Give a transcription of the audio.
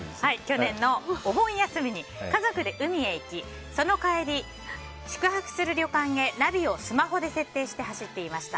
去年のお盆休みに家族で海へ行きその帰り、宿泊する旅館へナビをスマホで設定して走っていました。